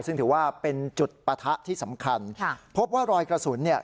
ซึ่งถือว่าเป็นจุดปะทะที่สำคัญค่ะพบว่ารอยกระสุนเนี่ย